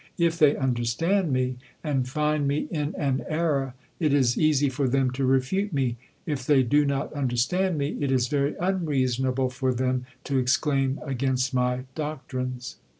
If they understand me, and find me in an error, it is easy for them to refute me; if they do not understand me, it is very unreasonable for them to exclaim against my doctrines."